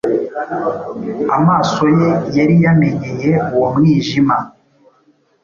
Amaso ye yari yamenyeye uwo mwijima